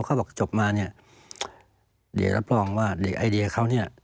เขาบอกจบมาเนี่ยเดี๋ยวรับรองว่าเด็กไอเดียเขาเนี่ย